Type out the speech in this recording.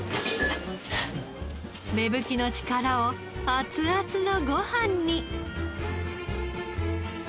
芽吹きの力を熱々のご飯に。